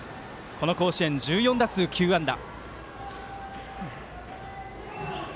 この甲子園、１４打数９安打。